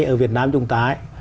ở việt nam chúng ta